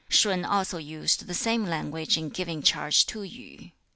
2. Shun also used the same language in giving charge to Yu.